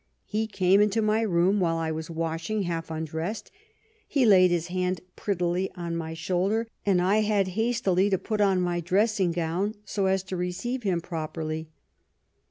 He came into my room while I was washing, half undressed. He laid his hand prettily on my shoulder, and I had hastily to put on my dressing gown so as to receive him properly."